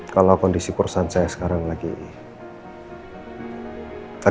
kamu harus bisa berhubung dengan orang lain